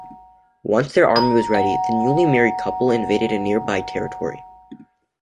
Once their army was ready, the newly married couple invaded a nearby territory.